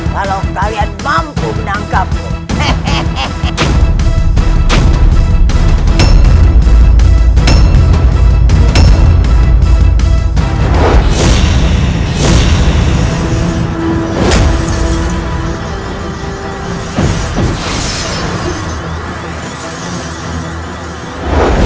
kalau kalian mampu menangkapku